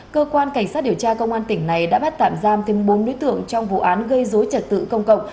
cơ quan cảnh sát điều tra công an tỉnh này đã bắt tạm giam thêm bốn đối tượng trong vụ án gây dối trật tự công cộng